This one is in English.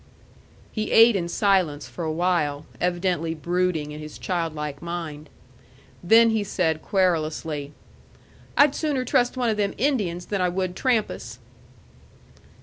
He ate in silence for a while, evidently brooding in his childlike mind. Then he said, querulously, "I'd sooner trust one of them Indians than I would Trampas."